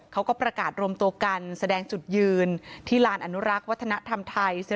เขาก็ประกาศรวมตัวกันแสดงจุดยืนที่ลานอนุรักษ์วัฒนธรรมไทย